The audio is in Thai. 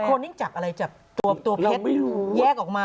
คนยิ่งจับอะไรจับตัวเพชรแยกออกมา